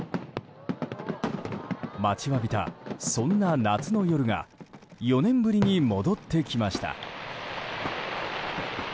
待ちわびた、そんな夏の夜が４年ぶりに戻ってきました。